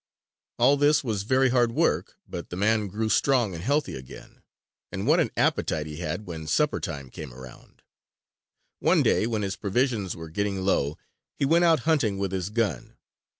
All this was very hard work but the man grew strong and healthy again. And what an appetite he had when supper time came around! One day when his provisions were getting low, he went out hunting with his gun.